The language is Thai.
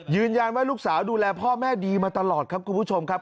ยืนยันว่าลูกสาวดูแลพ่อแม่ดีมาตลอดครับคุณผู้ชมครับ